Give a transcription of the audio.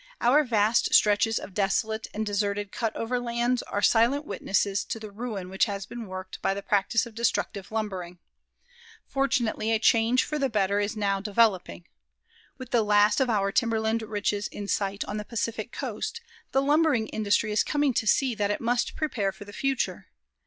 Our vast stretches of desolate and deserted cut over lands are silent witnesses to the ruin which has been worked by the practice of destructive lumbering. Fortunately, a change for the better is now developing. With the last of our timberland riches in sight on the Pacific Coast, the lumbering industry is coming to see that it must prepare for the future.